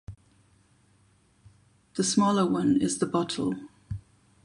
The smaller one is the bottle.